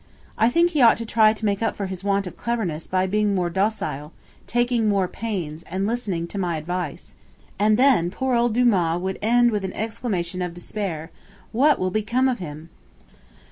I think he ought to try to make up for his want of cleverness by being more docile, taking more pains, and listening to my advice.' And then poor old Dumas would end with an exclamation of despair 'What will become of him!'